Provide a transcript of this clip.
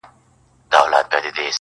نن پرې را اوري له اسمانــــــــــه دوړي,